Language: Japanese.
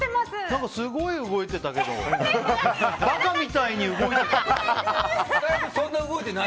すごい動いてたけどバカみたいに動いてたけど。